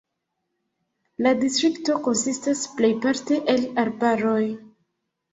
La distrikto konsistas plejparte el arbaroj.